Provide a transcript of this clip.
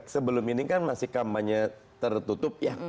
sebelum ini kan masih kampanye tertutup ya